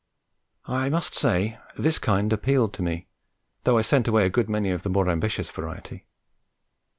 I must say this kind appealed to me, though I sent away a good many of the more ambitious variety.